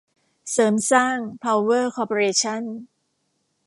เสริมสร้าง พาวเวอร์ คอร์ปอเรชั่น